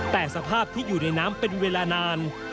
แต่สภาพที่อยู่ในน้ำเป็นเวลานาน